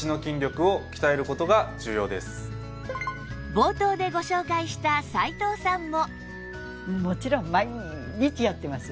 冒頭でご紹介した斉藤さんも